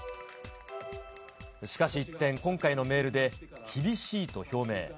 しかし一転、今回のメールで厳しいと表明。